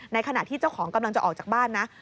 ขณะที่เจ้าของกำลังจะออกจากบ้านนะ